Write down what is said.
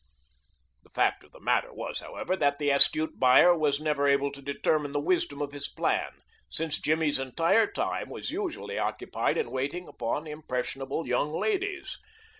The fact of the matter was, however, that the astute buyer was never able to determine the wisdom of his plan, since Jimmy's entire time was usually occupied in waiting upon impressionable young ladies.